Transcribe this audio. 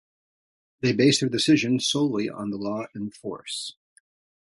They base their decisions solely on the law in force.